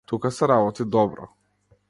Тука се работи добро.